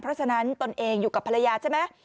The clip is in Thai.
เพราะฉะนั้นตนเองอยู่กับภรรยาใช่ไหม